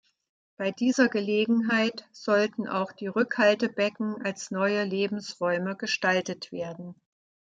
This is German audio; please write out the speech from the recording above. Bei dieser Gelegenheit sollten auch die Rückhaltebecken als neue Lebensräume gestaltet werden.